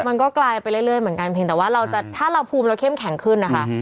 มันก็กลายไปเรื่อยเหมือนกันเพียงแต่ว่าเราจะถ้าเราภูมิเราเข้มแข็งขึ้นนะคะ